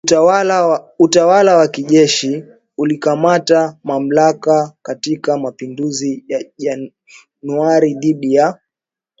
Utawala wa kijeshi ulikamata mamlaka katika mapinduzi ya Januari dhidi ya